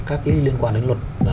các cái liên quan đến luật